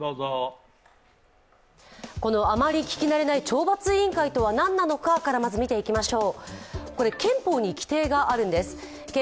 このあまり聞き慣れない懲罰委員会とは何なのかから見ていきましょう。